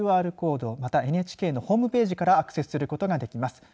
ＱＲコード、またはＮＨＫのホームページからアクセスすることができます。